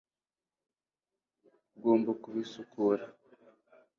Ugomba kubisukura